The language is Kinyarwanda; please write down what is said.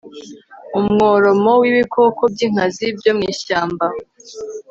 umworomo w'ibikoko by'inkazi byo mu ishyamba